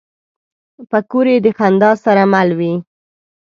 پکورې د خندا سره مل وي